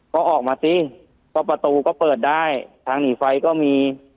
ก็ออกมาสิก็ประตูก็เปิดได้ทางหนีไฟก็มี